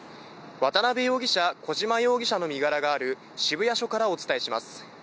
渡辺容疑者、小島容疑者の身柄がある渋谷署からお伝えします。